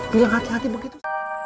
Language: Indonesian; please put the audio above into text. tuh yang hati hati begitu